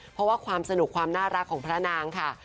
เพราะว่าความสนุกความน่ารักของพระนางค่ะ